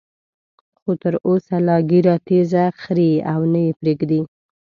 خو تر اوسه لا ږیره تېزه خرېي او نه یې پریږدي.